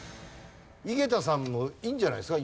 井桁さんもいいんじゃないですか？